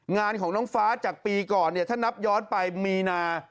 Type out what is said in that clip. งานของน้องฟ้าจากปีก่อนเนี่ยถ้านับย้อนไปมีนา